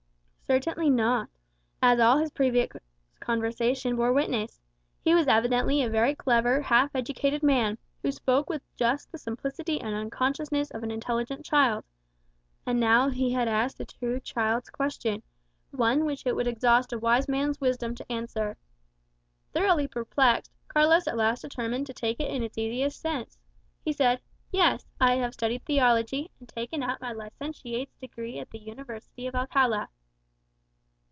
Certainly not; as all his previous conversation bore witness. He was evidently a very clever, half educated man, who spoke with just the simplicity and unconsciousness of an intelligent child. And now he had asked a true child's question; one which it would exhaust a wise man's wisdom to answer. Thoroughly perplexed, Carlos at last determined to take it in its easiest sense. He said, "Yes; I have studied theology, and taken out my licentiate's degree at the University of Alcala."